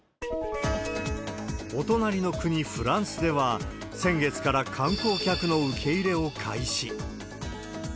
お隣の国、フランスでは先月から観光客の受け入れを開始。